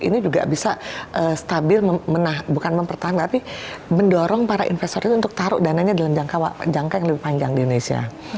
ini juga bisa stabil bukan mempertahankan tapi mendorong para investor itu untuk taruh dananya dalam jangka yang lebih panjang di indonesia